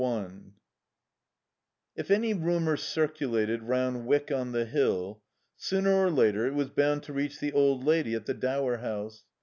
XII 1 If any rumour circulated round Wyck on the Hill, sooner or later it was bound to reach the old lady at the Dower House.